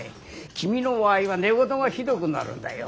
君の場合は寝言がひどくなるんだよ。